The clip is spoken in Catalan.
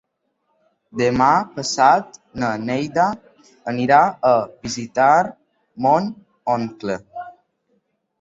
Demà passat na Neida anirà a visitar mon oncle.